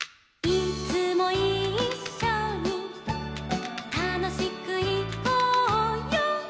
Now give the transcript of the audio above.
「いつもいっしょにたのしくいこうよ」